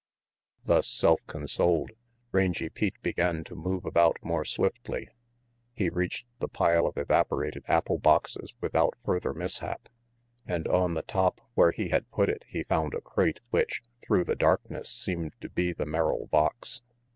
Thus self consoled, Rangy Pete began to move about more swiftly. He reached the pile of evapo rated apple boxes without further mishap, and on the top, where he had put it, he found a crate which, through the darkness, seemed to be the Merrill box.